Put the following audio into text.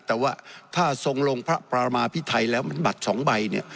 แต่ว่าถ้าทรงลงพระปรามาพิไทยแล้วมันบัตร๒ใบเนี่ย